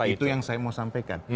itu yang saya mau sampaikan